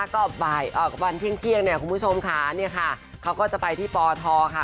ก็บ่ายวันเที่ยงเนี่ยคุณผู้ชมค่ะเนี่ยค่ะเขาก็จะไปที่ปทค่ะ